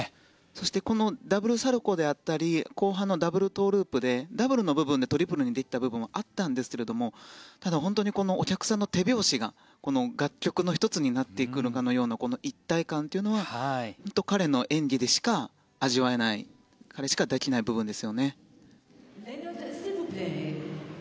そしてこのダブルサルコウであったり後半のダブルトウループでダブルの部分でトリプルにできた部分はあったんですがただ、本当にお客さんの手拍子が曲と１つになっていくかのような一体感というのは彼の演技でしか味わえない彼しかできない部分ですよね。